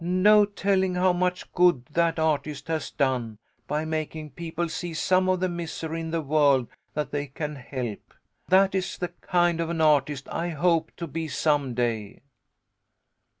No telling how much good that artist has done, by making people see some of the misery in the world that they can help. That is the kind of an artist I hope to be some day."